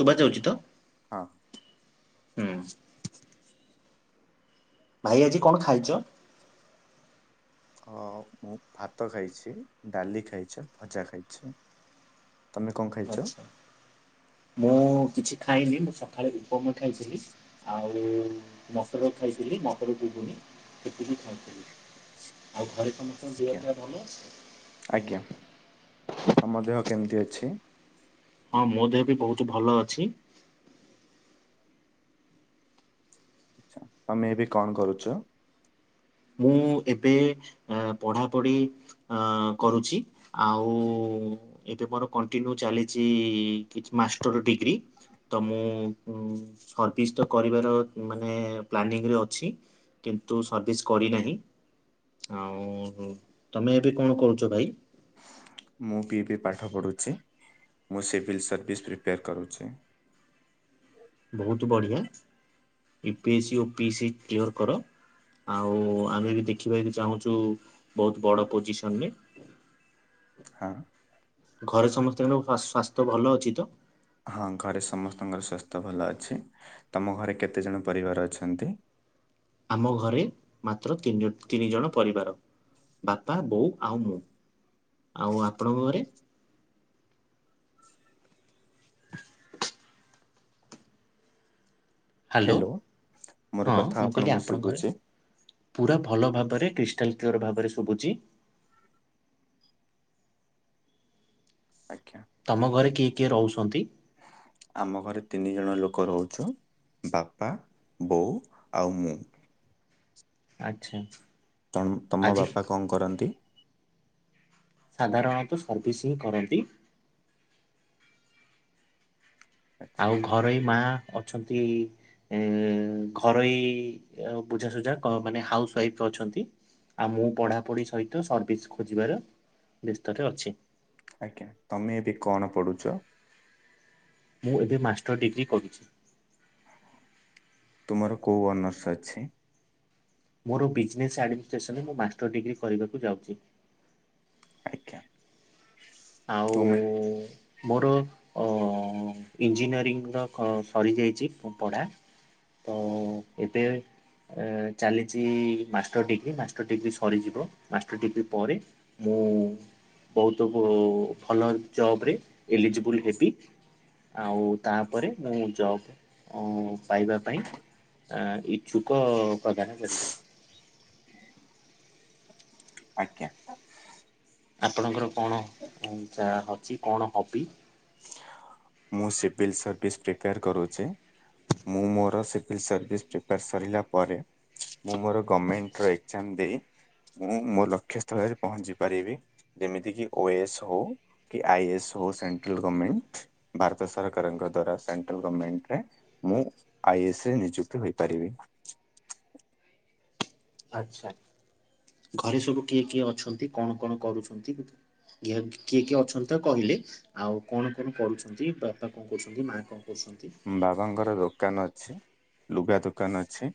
ଶୁବା ହଁ ଯାଉଛି ତ? ହୁଁ। [inaudible] ଭାଇ ଆଜି କଣ ଖାଇଚ? ହଁ ମୁଁ ଭାତ ଖାଇଚି, ଡାଲି ଖାଇଛି, ଭଜା ଖାଇଛି। ତମେ କଣ ଖାଇଛ ଆଚ୍ଛା ମୁଁ କିଛି ଖାଇନି ମୁଁ ସକାଳେ ମୋମୋ ଖାଇଥିଲି ଆଉ ଆଉ ମଟର ଖାଇଥିଲି ମଟର ଗୁଗୁନି ସେତିକି ଖାଇଥିଲି ଆଉ [inaudible] ଘରେ ସମସ୍ତଙ୍କ ଦେହ ଆଜ୍ଞା ପା ଭଲ ଅଛି? ଆଜ୍ଞା ତମ ଦେହ କେମିତି ଅଛି? ହଁ ମୋ ଦେହ ବି ବୋହୁତ ଭଲ ଅଛି। ଆଚ୍ଛା ତମେ ଏବେ କଣ କରୁଚ? ମୁଁ ଏବେ ପଢ଼ାପଢ଼ି କରୁଚି ଆଉ ଏବେ ମୋର କଣ୍ଟିନ୍ୟୁ ଚାଲିଛି କିଛି ମାଷ୍ଟର ଡିଗ୍ରୀ ତ ମୁଁ ସର୍ଭିସ୍ ତ କରିବାର ମାନେ ପ୍ଲାନିଂରେ ଅଛି କିନ୍ତୁ ସର୍ଭିସ୍ କରିନାହିଁ ଆଉ ତମେ ଏବେ କଣ କରୁଛ ଭାଇ ମୁଁ ବିି ବିି ପାଠ ପଢ଼ୁଚି ମୁଁ ସିଭିଲ୍ ସର୍ଭିସ୍ ପ୍ରିପେୟାର କରୁଚି। ବୋହୁତ ବଢିଆ ୟୁ ପି ଏସ୍ ସ ଓ ପି ଏ ସ କ୍ଲିୟର କର, ଆଉ ଆମେ ବି ଦେଖିବାକୁ ଚାହୁଁଛୁ ବହୁତ ବଡ ପୋଜିସନ ରେ। ହଁ। ଘରେ ସମସ୍ତଙ୍କର ସ୍ଵାସ୍ଥ୍ୟ ଭଲ ଅଛି ତ ହଁ ଘରେ ସମସ୍ତଙ୍କର ସ୍ୱା ଭଲ ଅଛି ତମ ଘରେ କେତେ ଜଣ ପରିବାର ଅଛନ୍ତି। ଆମ ଘରେ ମାତ୍ର ନି ତିନି ଜଣ, ପରିବାର ବାପା ବୋଉ ଆଉ ମୁଁ। ଆଉ ଆପଣଙ୍କ ଘରେ [inaudible] ହ୍ୟାଲୋ ମୋର ହଁ କଥା ମୁଁ କହିଲି ଆପଣଙ୍କୁ ଆପଣଙ୍କରେ ଶୁଭୁଛି? ପୁରା ଭଲ ଭାବରେ କ୍ରୀ [unintelligible] ଭାବରେ ଶୁଭୁଚି। [inaudible] ଆଜ୍ଞା। ତମ ଘରେ କିଏ କିଏ ରହୁଛନ୍ତି। ଆମ ଘରେ ତିନି ଜଣ ଲୋକ ରହୁଚୁ ବାପା ବୋଉ ଆଉ ମୁଁ। ଆଚ୍ଛା ଆଚ୍ଛା। ତ ତମ ବାପା କଣ କରନ୍ତି। ସାଧାରଣତଃ ସର୍ଭିସିଂ କରନ୍ତି। [inaudible] ଆଉ ଘରୋଇ ମା ଅଛନ୍ତି ଏ ଘରୋଇ ବୁଝାସୁଝା ମାନେ ହାଉସ ୱାଇଫ ଅଛନ୍ତି, ଆଉ ମୁଁ ପଢାପଢି ସହିତ ସର୍ଭିସ ଖୋଜିବାର ବ୍ୟସ୍ତରେ ଅଛି। ଆଜ୍ଞା ତମେ ଏବେ କଣ ପଢୁଚ। ମୁଁ ଏବେ ମାଷ୍ଟର ଡିଗ୍ରୀ କରିଚି। [inaudible] ତୁମର କେଉ ଅନ୍ୟସ ଅଛି? ମୋର ବିଜନେସ୍ ଆଡମିନିଷ୍ଟ୍ରେସନରେ ମୁଁ ମାଷ୍ଟର ଡିଗ୍ରୀ କରିବାକୁ ଯାଉଛି। ଆଜ୍ଞା। ତୁମେ ଆଉ। ମୋର ଇଞ୍ଜିନିୟରିଂର ସରିଯାଇଛି ପଢ଼ା ତ ଏବେ ଚାଲିଛି ମାଷ୍ଟର ଡିଗ୍ରୀ ମାଷ୍ଟର ଡିଗ୍ରୀ ସରିଯିବ ମାଷ୍ଟର ଡିଗ୍ରୀ ପରେ ମୁଁ ବହୁତ ଭଲ ଜବରେ ଏଲିଜିବୁଲ ହେବି, ଆଉ ତାପରେ ମୁଁ ଜବ୍ ପାଇବା ପାଇଁ ଇଚ୍ଛୁକ ପ୍ରଦାନ କରିବୁ। ଆଜ୍ଞା ଆପଣଙ୍କର କଣ ଉ ଯା ହଵ କଣ ହବି ମୁଁ ସିଭିଲ୍ ସର୍ଭିସ୍ ପ୍ରିପେୟାର କରୁଛି ମୁଁ ମୋର ସିଭିଲ୍ ସର୍ଭିସ୍ ପ୍ରିପେୟାର ସରିଲା ପରେ ମୁଁ ମୋର ଗଭର୍ଣ୍ଣମେଣ୍ଟର ଏକ୍ଜାମ ଦେଇ ମୁଁ ମୋ ଲକ୍ଷ୍ୟସ୍ଥଳରେ ପହଞ୍ଚି ପାରିବି ଯେମିତିକି ଓ ଏ ଏସ୍ ହଉ କି ଆଇ ଏସ୍ ହଉ। ଭାରତ ସରକାରଙ୍କ ଦ୍ବର ସେନ୍ଟ୍ରାଲ ଗଭରମେଣ୍ଟରେ ମୁଁ ଆଇ ଏ ସ ନିଯୁକ୍ତିହୋଇପାରିବି। ଆଛା ଘରେ ସବୁ କିଏ କିଏ ଅଛନ୍ତି କଣ କଣ କରୁଛନ୍ତି କିଏ କିଏ ଅଛନ୍ତି ତ କହିଲେ ଆଉ କଣ କଣ କରୁଛନ୍ତି ବାପା କଣ କରହୁଛନ୍ତି ମା କଣ। କରୁଛନ୍ତି? ବାବାଙ୍କର ଦୋକାନ ଅଛି। ଲୁଗା ଦୋକାନ ଅଛି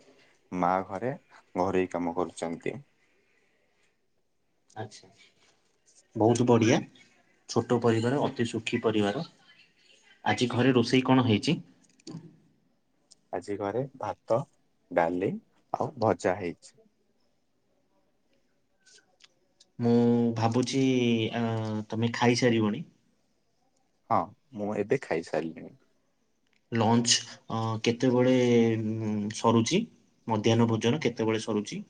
ମା ଘରେ ଘରୋଇ କାମ କରୁଛନ୍ତି। ଆଛା ବହୁତ ବଢିଆ ଛୋଟ ପରିବାର ଅତି ସୁଖୀ ପରିବାର ଆଜି ଘରେ ରୋଷେଇ କଣ ହେଇଛି। ଆଜି ଘରେ ଭାତ ଡାଲି ଆଉ ଭଜା ହେଇଛି। ମୁଁ ଭାବୁଛି ତମେ ଖାଇସାରିବଣି। ହଁ ମୁଁ ଏବେ ଖାଇସାରିଲିନିଣି। ଲଞ୍ଚ କେତେବେଳେ ସରୁଛି ମଧ୍ୟାହ୍ନ ଭୋଜନ କେତେବେଳେ ସରୁଛି।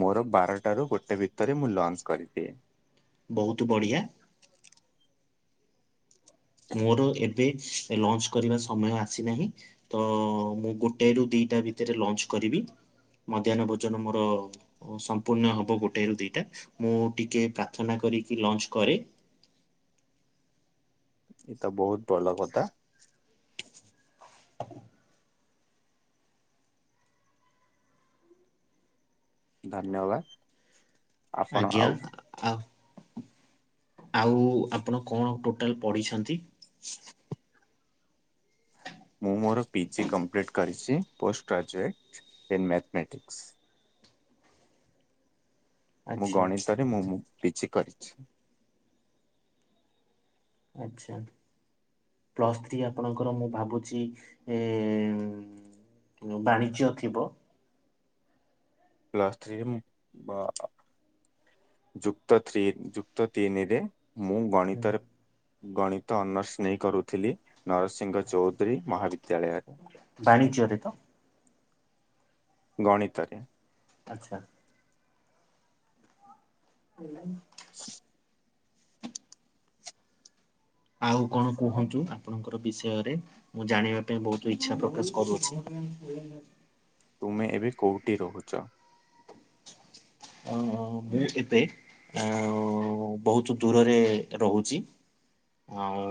ମୋର ବାରଟରୁ ଗୋଟେ ଭିତରେ ମୁଁ ଲଞ୍ଚ କରିଦିଏ। ବହୁତ ବଢିଆ। ମୋର ଏ- ଏ ଲଞ୍ଚ କରିବା ସମୟ ଆସିନାହିଁ ତ ମୁଁ ଗୋଟାରୁ ଦିଟା ଭିତରେ ଲଞ୍ଚ କରିବି। ମଧ୍ୟାହ୍ନ ଭୋଜନ ମୋର ସମ୍ପୂର୍ଣ ହବ ଗୋଟଏରୁ ଦିଟା। ମୁଁ ଟିକେ ପ୍ରାର୍ଥନା କରିକି ଲଞ୍ଚ କରେ। ତ ବହୁତ ଭଲ କଥା। [unintelligible] ଧନ୍ୟବାଦ। ଆପଣ ଆଜ୍ଞା ଆଉ ଆ- ଆଉ ଆପଣ କଣ ଟୋଟାଲ ପଡିଛନ୍ତି? ମୁଁ ମୋର ପିଜି କମ୍ପ୍ଲିଟ୍ କରିଛି। Post graduate in mathematics. ମୁଁ ଆଚ୍ଛା ଗଣିତରେ ମୁଁ ମୁଁ। ପିଜି କରିଛି। ଆଛା। ପ୍ଲସ୍ ଥ୍ରୀ ଆପଣଙ୍କର ମୁଁ ଭାବୁଛି ଏ ବାଣିଜ୍ୟ ଥିବ। ପ୍ଲସଥ୍ରୀ ଅ ଯୁକ୍ତ ଥ୍ରି ଯୁକ୍ତ ତିନିରେ- ମୁଁ ହୁଁ, ଗଣିତରେ- ଗଣିତ ଅନର୍ଶ ନେଇ କରୁଥିଲି। ନରସିଂହ ଚୌଧୁରୀ ମହାବିଦ୍ୟାଳୟ- ଜାଣେ ନା। ସେ ତ। ଗଣିତରେ। ଆଚ୍ଛା। [unintelligible] ଆଉ କଣ କୁହନ୍ତୁ ଆପଣଙ୍କର ବିଷୟରେ ମୁଁ ଜାଣିବା ପାଇଁ ବହୁତ ଇଛା ପ୍ରକାଶ କରୁଛି। ତୁମେ ଏବେ କୋଉଠି ରହୁଛ? ଅ ମୁଁ ଏବେ ଅ ବହୁତ ଦୂରରେ ରହୁଛି। ଆଉ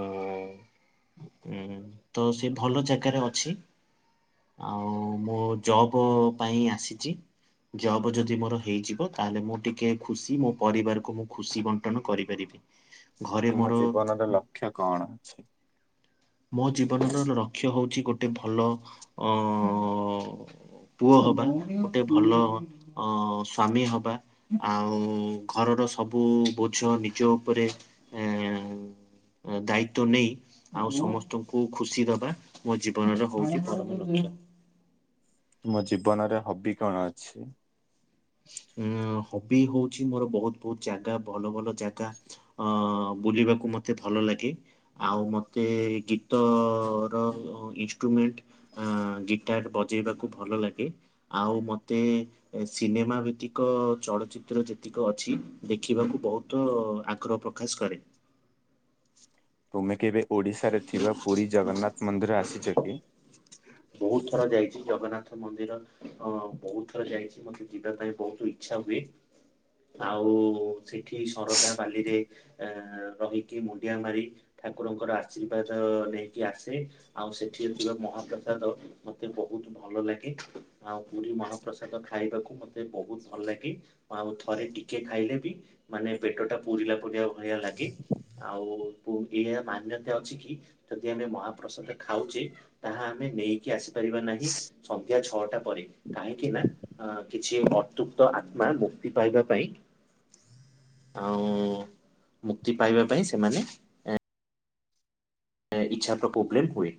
ତ ସେ ଭଲ ଜାଗାରେ ଅଛି। ଆଉ ମୁଁ ଜବ୍ ପାଇଁ ଆସିଛି। ଜବ୍ ଯଦି ମୋର ହେଇଯିବ- ତାହେଲେ ମୁଁ ଟିକେ ଖୁସି ମୋ ପରିବାରକୁ ମୁଁ ଖୁସି ବଣ୍ଟନ କରିପାରିବି। ଘରେ ତୁମ ମୋର ଜୀବନର ଲକ୍ଷ୍ୟ କଣ? ମୋ ଜୀବନର ରକ୍ଷ୍ୟ। ହଉଛି ଗୋଟେ ଭଲ ଅ ଅ ପୁଅ ହବା ଗୋଟେ ଭଲ ଅ ସ୍ଵାମୀ ହବା ଆଉ ଘରର ସବୁ ବୋଝ ନିଜ ଉପରେ ଏ ଦାୟିତ୍ୱ ନେଇ ଆଉ ସମସ୍ତ ସମସ୍ତଙ୍କୁ ଖୁସି ଦବା ମୋ ଜୀବନରେ ହଉଛି ପରମ ଲକ୍ଷ୍ୟ। ତୁମ ଜୀବନରେ ହବି କଣ ଅଛି? ହବି ହଉଛି ମୋର ବହୁତ ବହୁତ ଜାଗା ଭଲ ଭଲ ଜାଗା ଅ ବୁଲିବାକୁ ମତେ ଭଲଲାଗେ। ଆଉ ମତେ ଗୀତ ର ଇଷ୍ଟ୍ରୁମେଣ୍ଟ ଗିଟାର ବଜେଇବାକୁ ଭଲଲାଗେ। ଆଉ ମତେ ସିନେମା ଭିତ୍ତିକ ଚଳଚିତ୍ର ଯେତିକ ଅଛି ଦେଖିବାକୁ ବହୁତ ଆଗ୍ରହ ପ୍ରକାଶ କରେ। ତୁମେ କେବେ ଓଡ଼ିଶାରେ ଥିବା ପୁରୀ ଜଗନ୍ନାଥ ମନ୍ଦିର ଆସିଛ କି? ବହୁତ ଥର ଯାଇଛି ଜଗନ୍ନାଥ ମନ୍ଦିର ଅ ବହୁତ ଥର ଯାଇଛି। ମୋତେ ଯିବା ପାଇଁ ବହୁତ ଇଚ୍ଛା ହୁଏ। ଆଉ ସେଠି ଶରଧା ବାଲିରେ ଆ ରହିକି ମୁଣ୍ଡିଆ ମାରି ଠାକୁରଙ୍କର ଆଶୀର୍ବାଦ ନେଇକି ଆସେ। ଆଉ ସେଠି ଥିବା ମହାପ୍ର ପ୍ରସାଦ ମତେ ବହୁତ ଭଲ ଲାଗେ। ଆଉ ପୁରୀ ମହାପ୍ରସାଦ ଖାଇବାକୁ ମତେ ବହୁତ ଭଲ ଲାଗେ। ଆଉ ଥରେ ଟିକେ ଖାଇଲେ ବି ମାନେ ପେଟ ଟା ପୁୁରିଲା ପୂରିଲା ଭଳିଆ ଲାଗେ। ଆଉ ଏଇ ମାନ୍ୟତା ଅଛି କି ଯଦି ଆମେ ମହାପ୍ରସାଦ ଖାଉଛେ ତାହା ଆମେ ନେଇକି ଆସିପାରିବା ନାହିଁ। ସନ୍ଧ୍ୟା ଛଅଟା ପରେ କାହିଁକି ନା କିଛି ଅତୃକ୍ତଆତ୍ମା ମୁକ୍ତି ପାଇବା ପାଇଁ ଆଉ ମୁକ୍ତି ପାଇବା ପାଇଁ ସେମାନେ ଇଚ୍ଛା ପ୍ର ପ୍ରୋବ୍ଲେମ୍ ହୁଏ।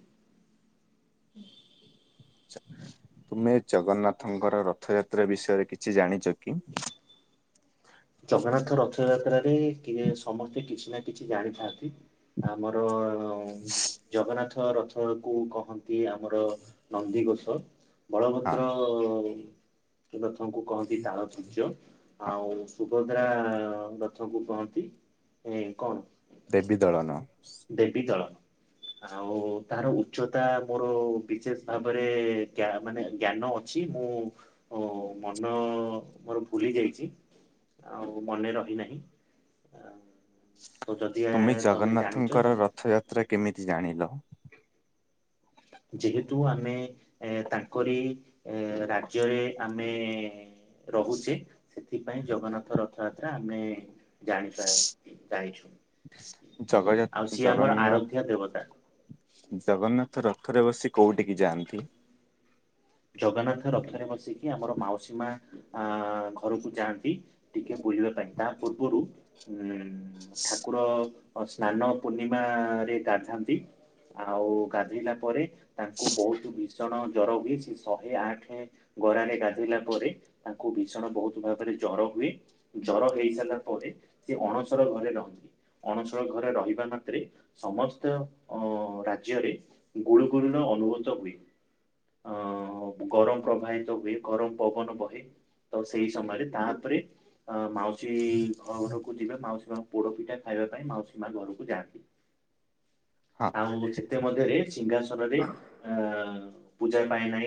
ତୁମେ ଜଗନ୍ନାଥଙ୍କର ରଥଯାତ୍ରା ବିଷୟରେ କିଛି ଜାଣିଛ କି? ଜଗନ୍ନାଥ ରଥଯାତ୍ରାରେ କିଏ ସମସ୍ତେ କିଛି ନା କିଛି ଜାଣିଥାନ୍ତି। ଆମର ଜଗନ୍ନାଥ। ଜଗା ରଥ କୁ କହନ୍ତି ଆମର ନନ୍ଦିଘୋଷ। ହଁ ବଳଭଦ୍ର ଅ ରଥଙ୍କୁ କହନ୍ତି ତାଳଧ୍ୱଜ୍ୟ ହଁ ଆଉ ସୁଭଦ୍ରା ରଥକୁ କହନ୍ତି ଏ କଣ? ଦେବିଦଳନ ଦେବୀ ଦଳନ ଆଉ ତାର ଉଚ୍ଚତା ମୋର ବିଶେଷ ଭାବରେ ଜ୍ଞା ମାନେ ଜ୍ଞାନ ଅଛି ମୁଁ ମନ ମୋର ଭୁଲି ଯାଇଛି ଆଉ ମନେ ରହିନାହିଁ ଆ ତ ଯଦି ଏ ତମେ ଜାଣି ଙ୍କର ରଥଯାତ୍ରା କେମିତି ଯ ଜାଣିଲ ଯେହେତୁ ଆମେ ଏ ତାଙ୍କରି ରାଜ୍ୟରେ ଆମେ ରହୁଛେ ସେଥିପାଇଁ ଜଗନ୍ନାଥ ରଥଯାତ୍ରା ଆମେ ଜାଣିପା ଯାଇଛୁ ଜଗଯା ଆଉ ସିଏ ଆମର ଜଗନ୍ନାଥ ଆରଧ୍ୟ୍ୟ ଦେବତା। ଜଗନ୍ନାଥ ରଥରେ ବସି କୋଉଠିକି ଯାଆନ୍ତି? ଜଗନ୍ନାଥ ରଥରେ ବସିକି ଆମର ମାଉସୀମା ଆ ଘରକୁ ଯାଆନ୍ତି ଟିକେ ବୁଲିବା ପାଇଁ ତା ପୂର୍ବରୁ ଉଁ ଠାକୁର ସ୍ନାନ ପୂର୍ଣ୍ଣିମାରେ ଗାଧାନ୍ତି ଆଉ ଗାଧେଇଲା ପରେ ତାଙ୍କୁ ବହୁତ ବିଝ ଜଣ ଜର ହୁଏ। ଶହେ ଆଠ ଗରାରେ ଗାଧେଇଲା ପରେ ତାଙ୍କୁ ଭୀଷଣ ବହୁତ ଭାବରେ ଜର ହୁଏ ଜର ହେଇସାରିଲା ପରେ ସେ ଅଣସର ଘରେ ରହନ୍ତି ଅଣସର ଘରେ ରହିବା ମାତ୍ରେ ସମସ୍ତ ଅ ରାଜ୍ୟରେ ଗୁଳୁଗୁଳୁର ଅନୁଭୂତ ହୁଏ ଅ ଗରମ ପ୍ରବାହିତ ହୁଏ ଗରମ ପବନ ବହେ ତ ସେଇ ସମୟରେ ତାପରେ ଅ ମାଉସୀ ଘରକୁ ଯିବେ ମାଉସୀମା ପୋଡପିଠା ଖାଇବା ପାଇଁ ମାଉସୀମା ଘରକୁ ଯାଆନ୍ତି। ହଁ ଆଉ ସେତେ ମଧ୍ୟରେ ସିଂହାସ ରେ ଅ ପୂଜା ପାଇନାହିଁ। ରେ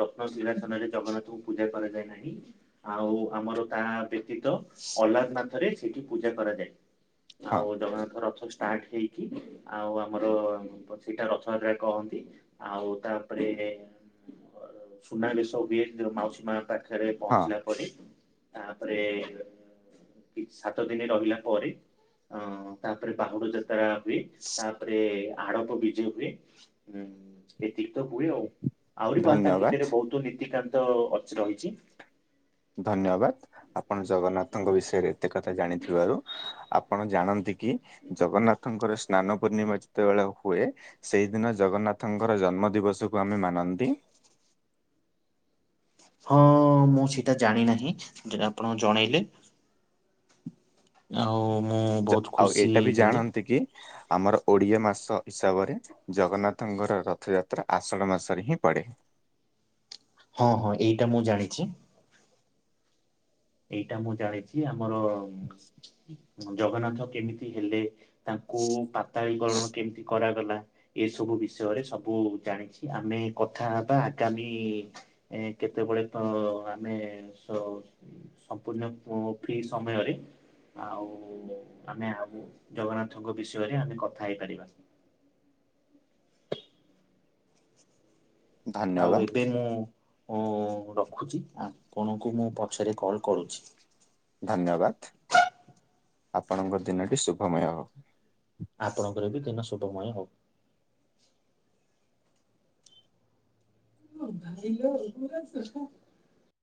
ରତ୍ନସିଂହାସନରେ ଜଗନ୍ନାଥଙ୍କୁ ପୂଜା କରାଯାଏ ନାହିଁ ଆଉ ଆମର ତା ବ୍ୟତୀତ ଅଲାରନାଥରେ ସେଠି ପୂଜା କରାଯାଏ। ହଁ ଆଉ ଜଗନ୍ନାଥଙ୍କ ରଥ ଷ୍ଟ ଷ୍ଟାର୍ଟ ହେଇକି ଆଉ ଆମର ସେଇଟା ରଥଯାତ୍ରା କହନ୍ତି, ଆଉ ତାପରେ ସୁନା ବେଶ ହୁଏ ଯଉ ମାଉସୀ ମା ପାଖରେ ହଁ ପହଞ୍ଚିଲା ପରେ। ତାପରେ କି ସାତ ଦିନ ରହିଲା ପରେ ଅ ତାପରେ ବାହୁଡ ଯାତ୍ରା ହୁଏ, ତାପରେ ଆଡବ ବିଜେ ହୁଏ ଉଁ ଏତିକି ତ ହୁଏ, ଆଉ। ଆହୁରି ପାନ୍ ତାତା ଧନ୍ୟବାଦ। ଭିତରେ ବହୁତ ନୀତିକା ତ ଅ ରହିଛି। ଧନ୍ୟବାଦ। ଆ ଆପଣ ଜଗନ୍ନାଥଙ୍କ ବିଷୟରେ ଏତେ କଥା ଜାଣିଥିବାରୁ ଆପ ଆପଣ ଜାଣନ୍ତି କି ଜଗନ୍ନାଥଙ୍କର ସ୍ନାନ ପୂର୍ଣ୍ଣିମା ଯେତେବେଳେ ହୁଏ ସେହିଦିନ ଜଗନ୍ନାଥଙ୍କର ଜନ୍ମ ଦିବସକୁ ଆମେ ମାନନ୍ତି। ହଁ ମୁଁ ସେଇଟା ଜାଣି ନାହିଁ ଯୋଉଟା ଆପଣ ଜଣେଇଲେ। ଆଉ। ମୁଁ ଜ ବହୁତ ଆଉ ଖୁସି ଏଇଟା ବି ହେଲି। ଜାଣନ୍ତି କି। ଆମର ଓଡ଼ିଆ ମାସ ହିସାବରେ ଜଗନ୍ନାଥଙ୍କର ରଥଯାତ୍ରା ଆଷାଢ଼ ମାସରେ ହିଁ ପଡ଼େ। ହଁ ହଁ ଏଇଟା ମୁଁ ଜାଣିଚି। ଏଇଟା ମୁଁ ଜାଣିଚି ଆମର ଜଗନ୍ନାଥ କେମିତି ହେଲେ? ତାଙ୍କୁ ପାତାଳି ଗଣ କେମିତି କରାଗଲା ଏସବୁ ବିଷୟରେ ସବୁ ଜାଣିଛି ଆମେ କଥା ହେବା ଆଗାମୀ କେତେବେଳେ ତ ଆମେ ସ ସମ୍ପୂର୍ଣ୍ଣ ଫ୍ରି ସମୟରେ ଆଉ ଆମେ ଆ ଜଗନ୍ନାଥଙ୍କ ବିଷୟରେ ଆମେ କଥା ହେଇପାରିବା। ଧନ୍ୟବାଦ ଆଉ ଏବେ ମୁଁ ଓ ରଖୁଛି ଆପଣଙ୍କୁ ମୁଁ ପଛରେ କଲ୍ କରୁଛି। ଧନ୍ୟବାଦ ଆପଣଙ୍କ ଦିନଟି ଶୁଭମୟ ହଉ। ଆପଣଙ୍କର ବି ଦିନ ଶୁଭମୟ ହଉ। [unintelligible]